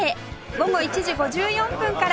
午後１時５４分から